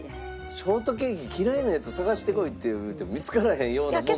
ショートケーキ嫌いなヤツ探してこいっていうても見つからへんようなもん。